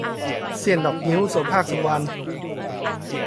เสี้ยนดอกงิ้ว - โสภาค สุวรรณ